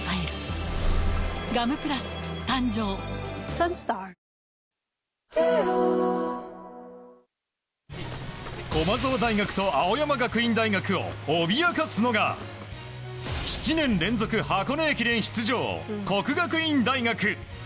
ということは、もう優勝は駒澤大学と青山学院大学を脅かすのが７年連続、箱根駅伝出場國學院大學。